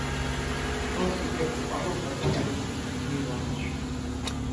Вронский крепко пожал протянутую руку Сергея Ивановича.